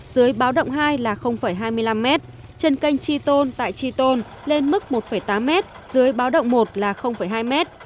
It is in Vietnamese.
dưới báo động hai là hai mươi năm m trên cành tri tôn tại tri tôn lên mức một tám m dưới báo động một là hai m